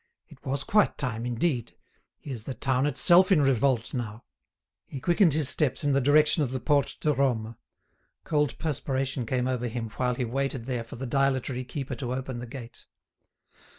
"It was quite time, indeed; here's the town itself in revolt now!" He quickened his steps in the direction of the Porte de Rome. Cold perspiration came over him while he waited there for the dilatory keeper to open the gate.